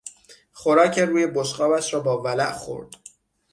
خوراک روی بشقابش را با ولع خورد.